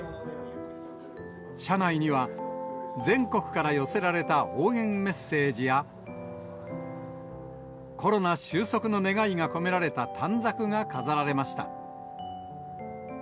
車内には、全国から寄せられた応援メッセージや、コロナ収束の願いが込められた短冊が飾られました。